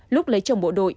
lúc lấy chồng bộ đội